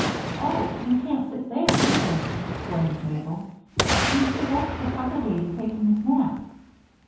"Oh, you can't sit there, either," exclaimed Mabel. "You see, that's the Tucker baby taking his nap."